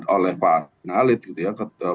oleh pak nahlid gitu ya